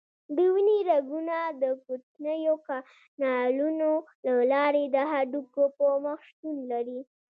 د وینې رګونه د کوچنیو کانالونو له لارې د هډوکو په مخ شتون لري.